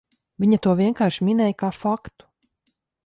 Viņa to vienkārši minēja kā faktu.